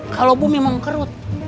kalau bumi mengkerut